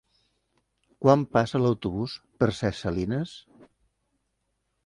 Quan passa l'autobús per Ses Salines?